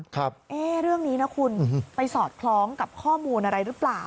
เรื่องนี้นะคุณไปสอดคล้องกับข้อมูลอะไรหรือเปล่า